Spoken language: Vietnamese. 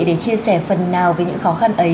để chia sẻ phần nào về những khó khăn ấy